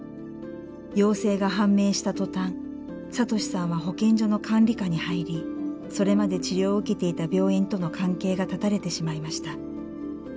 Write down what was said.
陽性が判明した途端聡士さんは保健所の管理下に入りそれまで治療を受けていた病院との関係が絶たれてしまいました。